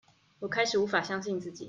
我開始無法相信自己